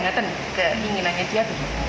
itu keinginannya dia